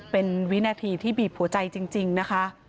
เป็นวินาทีที่บีบหัวใจจริงนะคะ